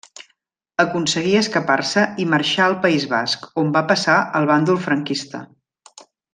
Aconseguí escapar-se i marxà al País Basc, on va passar al bàndol franquista.